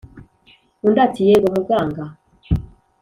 undi ati"yego muganga